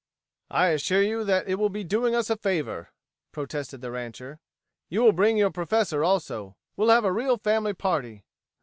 "I assure you it will be doing us a favor," protested the rancher. "You will bring your Professor, also. We'll have a real family party."